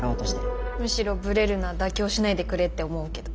むしろブレるな妥協しないでくれって思うけど。